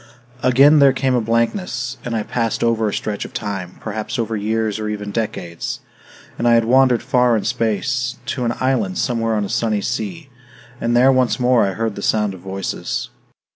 III Again there came a blankness, and I passed over a stretch of time, perhaps over years or even decades. And I had wandered far in space, to an island somewhere on a sunny sea; and there once more I heard the sound of voices.